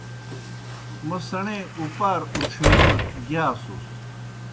موْ سیْݨے اُپار اُڇِھیون گِیاسُس۔